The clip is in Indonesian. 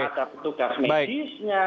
gak ada bentuk gas medisnya